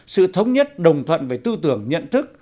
sự thống nhất đồng thuận về tư tưởng nhận thức